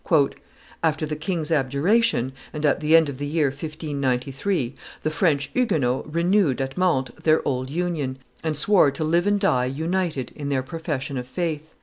"After the king's abjuration, and at the end of the year 1593, the French Huguenots renewed at Mantes their old union, and swore to live and die united in their profession of faith.